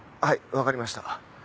わかりました。